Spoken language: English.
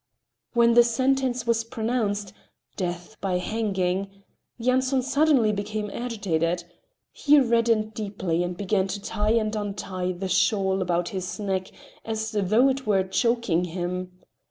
When the sentence was pronounced—death by hanging—Yanson suddenly became agitated. He reddened deeply and began to tie and untie the shawl about his neck as though it were choking him.